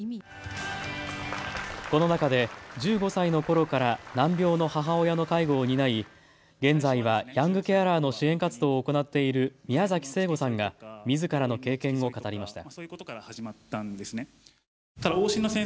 この中で１５歳のころから難病の母親の介護を担い現在はヤングケアラーの支援活動を行っている宮崎成悟さんがみずからの経験を語りました。